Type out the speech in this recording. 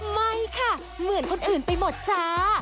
ไม่ค่ะเหมือนคนอื่นไปหมดจ้า